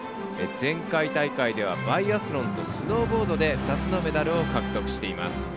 前回大会ではバイアスロンとスノーボードで２つのメダルを獲得しています。